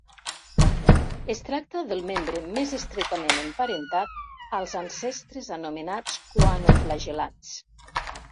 Es tracta del membre més estretament emparentat als ancestres anomenats coanoflagel·lats.